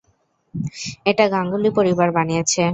এটা গাঙ্গুলি পরিবার বানিয়েছে।